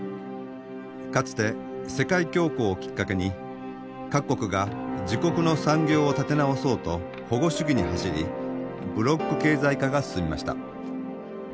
かつて世界恐慌をきっかけに各国が自国の産業を立て直そうと保護主義に走りブロック経済化が進みました。